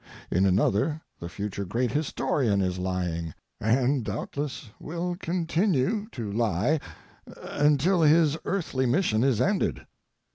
In another the future great historian is lying—and doubtless will continue to lie until his earthly mission is ended.